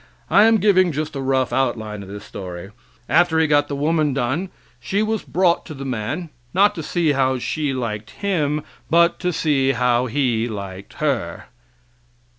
I am giving just a rough outline of this story. After He got the woman done she was brought to the man not to see how she liked him, but to see how he liked her.